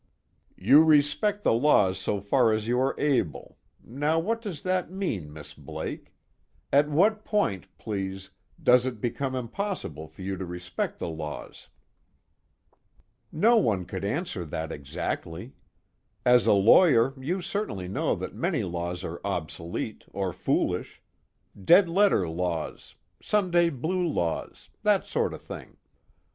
_ "You respect the laws so far as you are able now what does that mean, Miss Blake? At what point, please, does it become impossible for you to respect the laws?" "No one could answer that exactly. As a lawyer, you certainly know that many laws are obsolete or foolish. Dead letter laws Sunday blue laws that sort of thing.